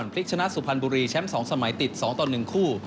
พลิกชนะสุพรรณบุรีแชมป์๒สมัยติด๒ต่อ๑คู่